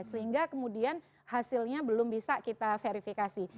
sehingga kemudian hasilnya belum bisa kita verifikasi